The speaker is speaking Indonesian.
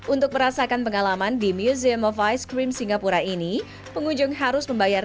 untuk merasakan pengalaman di museum of ice cream singapura ini pengunjung harus membayar